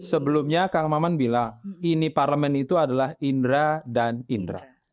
sebelumnya kang maman bilang ini parlemen itu adalah indra dan indra